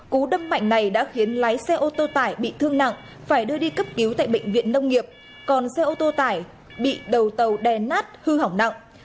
cú đâm mạnh này đã khiến lái xe ô tô tải bị thương nặng phải đưa đi cấp cứu tại bệnh viện nông nghiệp còn xe ô tô tải bị đầu tàu đè nát hư hỏng nặng